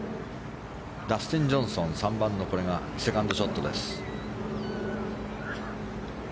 ダスティン・ジョンソン３番のセカンドショットです。